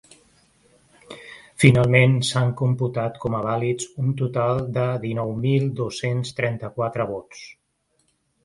Finalment s’han computat com a vàlids un total de dinou mil dos-cents trenta-quatre vots.